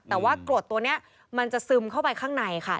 แต่ว่ากรดตัวนี้มันจะซึมเข้าไปข้างในค่ะ